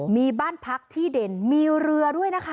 มีบ้านพักที่เด่นมีเรือด้วยนะคะ